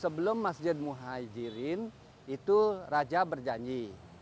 sebelum masjid muhajirin itu raja berjanji